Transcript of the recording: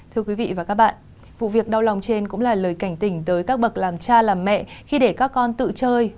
thưa quý vị và các bạn vụ việc đau lòng trên cũng là lời cảnh tỉnh tới các bậc làm cha làm mẹ khi để các con tự chơi